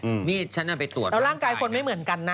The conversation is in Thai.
และร่างกายคนไม่เหมือนกันนะ